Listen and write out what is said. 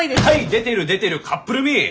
はい出てる出てるカップルみ！